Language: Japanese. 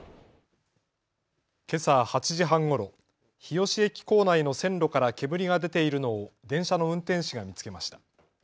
けさ８時半ごろ日吉駅構内の線路から煙が出ているのを電車の運転士が見つけました。